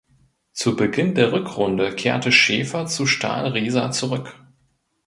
Zu Beginn der Rückrunde kehrte Schäfer zu Stahl Riesa zurück.